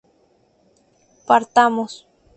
partamos